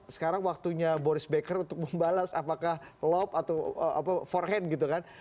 sekarang waktunya boris becker untuk membalas apakah lob atau forehand gitu kan